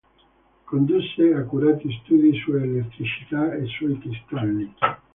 Condusse accurati studi sull'elettricità e sui cristalli.